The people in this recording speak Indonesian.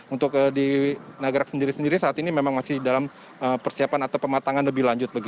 untuk di nagrak sendiri sendiri saat ini memang masih dalam persiapan atau pematangan lebih lanjut